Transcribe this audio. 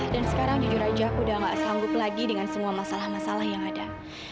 dan sekarang di juraja aku udah gak sanggup lagi dengan semua masalah masalah yang ada